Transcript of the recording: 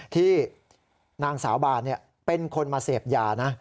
ที่นางสาวบานเป็นคนมาเสพยานะ